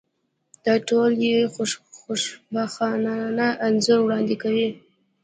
دا ټول یو خوشبینانه انځور وړاندې کوي.